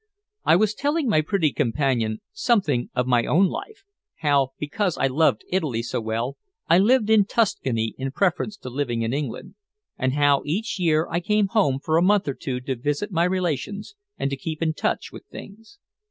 I was telling my pretty companion something of my own life, how, because I loved Italy so well, I lived in Tuscany in preference to living in England, and how each year I came home for a month or two to visit my relations and to keep in touch with things.